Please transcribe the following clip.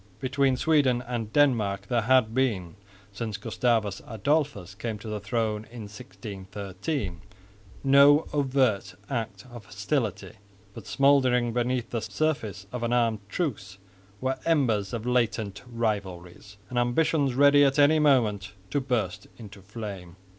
Between Sweden and Denmark there had been, since Gustavus Adolphus came to the throne in 1613, no overt act of hostility; but smouldering beneath the surface of an armed truce were embers of latent rivalries and ambitions ready at any moment to burst into flame.